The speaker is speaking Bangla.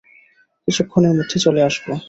কিছুক্ষণের মধ্যে চলে আসবো।